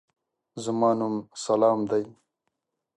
زما نوم سلام دی.